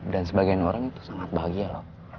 dan sebagian orang itu sangat bahagia lho